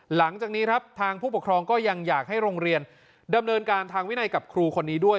หลังจากนี้ครับทางผู้ปกครองก็ยังอยากให้โรงเรียนดำเนินการทางวินัยกับครูคนนี้ด้วย